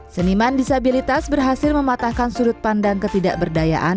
seniman disabilitas berhasil mematahkan sudut pandang ketidakberdayaan